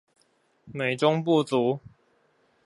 美中不足